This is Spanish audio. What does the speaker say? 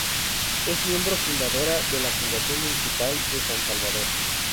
Es miembro Fundadora de la Fundación Municipal de San Salvador.